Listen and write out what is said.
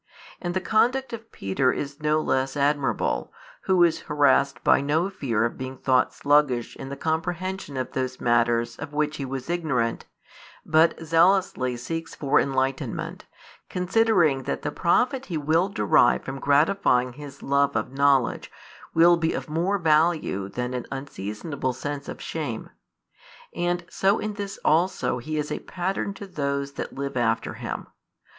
And the conduct of Peter is no less admirable, who is harassed by no fear of being thought sluggish in the comprehension of those matters of which he was ignorant, but zealously seeks for enlightenment, |224 considering that the profit he will derive from gratifying his love of knowledge will be of more value than an unseasonable sense of shame: and so in this also he is a pattern to those that live after him.